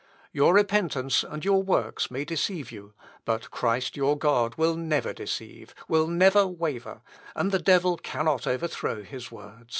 Your repentance and your works may deceive you, but Christ your God will never deceive, will never waver; and the devil cannot overthrow his words."